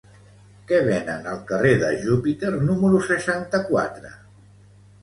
Què venen al carrer de Júpiter número seixanta-quatre?